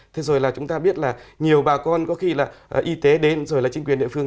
thế rồi là chúng ta biết là nhiều bà con có khi là y tế đến rồi là chính quyền địa phương